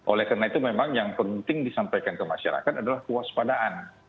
oleh karena itu memang yang penting disampaikan ke masyarakat adalah kewaspadaan